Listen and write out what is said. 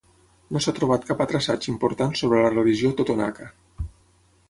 No s'ha trobat cap altre assaig important sobre la religió totonaca.